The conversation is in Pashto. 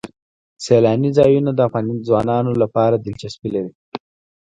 سیلانی ځایونه د افغان ځوانانو لپاره دلچسپي لري.